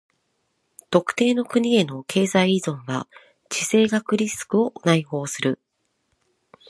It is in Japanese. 特定の国への経済依存は地政学リスクを内包する。